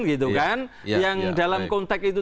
gitu kan yang dalam konteks itu